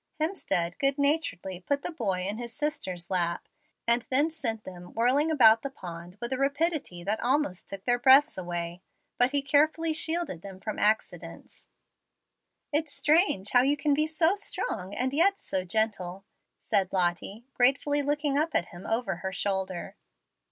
Hemstead good naturedly put the boy in his sister's lap, and then sent them whirling about the pond with a rapidity that almost took away their breaths. But he carefully shielded them from accidents. "It's strange how you can be so strong, and yet so gentle," said Lottie, gratefully looking up at him over her shoulder.